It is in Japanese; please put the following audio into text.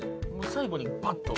最後にバッと。